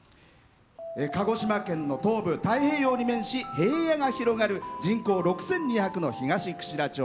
鹿児島県の東部太平洋に面し平野が広がる人口６，２００の東串良町。